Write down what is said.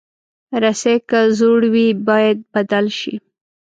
رسۍ که زوړ وي، باید بدل شي.